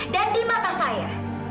dan di mata saya